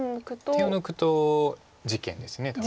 手を抜くと事件です多分。